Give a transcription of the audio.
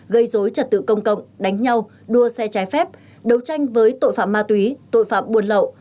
gây dối trật tự công cộng đánh nhau đua xe trái phép đấu tranh với tội phạm ma túy tội phạm buôn lậu